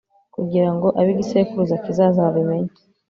kugira ngo ab'igisekuruza kizaza babimenye